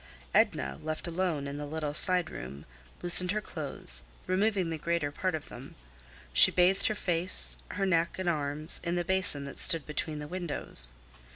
Edna, left alone in the little side room, loosened her clothes, removing the greater part of them. She bathed her face, her neck and arms in the basin that stood between the windows.